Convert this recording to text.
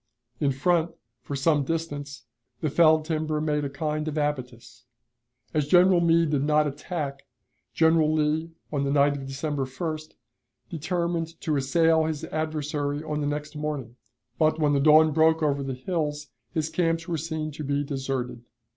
In front, for some distance, the felled timber made a kind of abatis. As General Meade did not attack, General Lee, on the night of December 1st, determined to assail his adversary on the next morning; but, when the dawn broke over the hills, his camps were seen to be deserted.